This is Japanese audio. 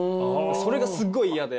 それがすっごい嫌で。